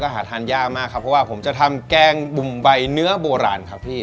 หาทานยากมากครับเพราะว่าผมจะทำแกงบุ่มใบเนื้อโบราณครับพี่